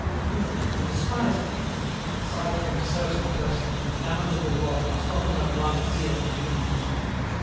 Who, then, can despise it aside from certain persons whose lamentable lot must often have wrung a tear from you?